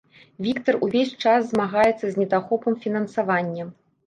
Віктар увесь час змагаецца з недахопам фінансавання.